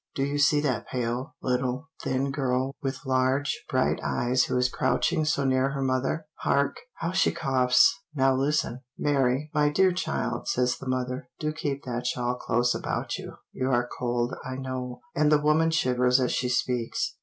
Do you see that pale, little, thin girl, with large, bright eyes, who is crouching so near her mother? hark! how she coughs! Now listen. "Mary, my dear child," says the mother, "do keep that shawl close about you; you are cold, I know," and the woman shivers as she speaks.